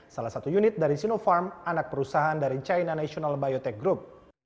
salah satu unit dari sinopharm anak perusahaan dari china national biotech group